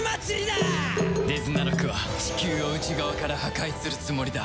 デズナラクはチキューを内側から破壊するつもりだ。